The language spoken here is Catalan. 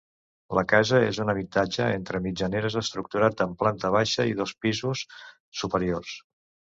La casa és un habitatge entre mitjaneres estructurat en planta baixa i dos pisos superiors.